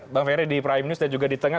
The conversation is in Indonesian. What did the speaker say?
bang ferry di prime news dan juga di tengah